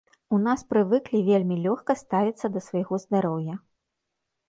У нас прывыклі вельмі лёгка ставіцца да свайго здароўя.